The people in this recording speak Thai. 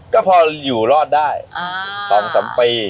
ก็พออยู่รอดได้๒๓ปี